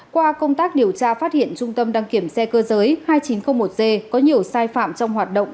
qua công tác điều tra phát hiện trung tâm đăng kiểm xe cơ giới hai nghìn chín trăm linh một g có nhiều sai phạm trong hoạt động